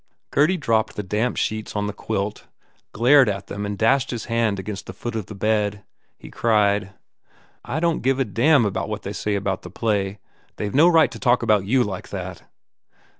Gurdy dropped the damp sheets on the quilt, glared at them and dashed his hand against the foot of the bed. He cried, "I don t give a d damn what they say about the play! They ve no right to talk about you like that!"